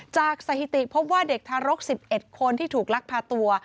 สถิติพบว่าเด็กทารก๑๑คนที่ถูกลักพาตัว